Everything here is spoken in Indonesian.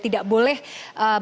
tidak boleh berasal